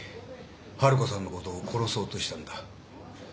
春子さんのことを殺そうとしたんだ。